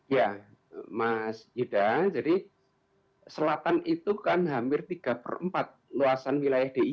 ya mas yuda jadi selatan itu kan hampir tiga per empat luasan wilayah di i